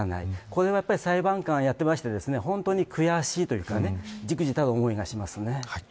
これは裁判官やっていて本当に悔しいというかじくじたる思いがします。